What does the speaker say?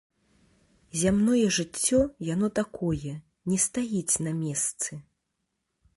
Зямное жыццё яно такое, не стаіць на месцы.